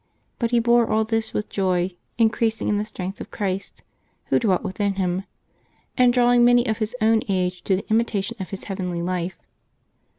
But he bore all this with joy, increasing in the strength of Christ, Who dwelt within him, and drawing many of his own age to the imitation of his heavenly life.